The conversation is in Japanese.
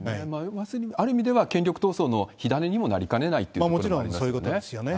ある意味では、権力闘争の火種にもなりかねないということですよね。